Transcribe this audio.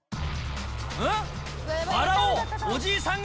うん？